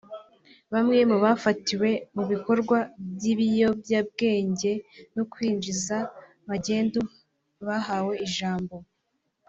Bamwe mu bafatiwe mu bikorwa bw’ibiyobyabwenge no kwinjiza magendu bahawe ijambo